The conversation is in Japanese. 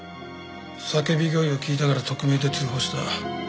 叫び声を聞いたから匿名で通報した。